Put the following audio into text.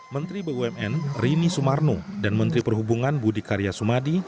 menteri bumn rini sumarno dan menteri perhubungan budi karya sumadi